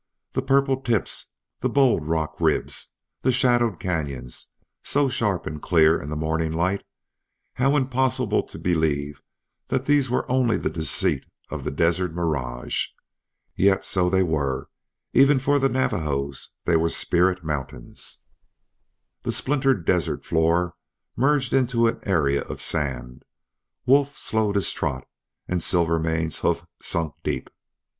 The purple tips, the bold rock ribs, the shadowed canyons, so sharp and clear in the morning light how impossible to believe that these were only the deceit of the desert mirage! Yet so they were; even for the Navajos they were spirit mountains. The splintered desert floor merged into an area of sand. Wolf slowed his trot, and Silvermane's hoofs sunk deep.